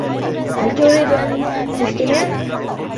هل تريد أن تستمع ؟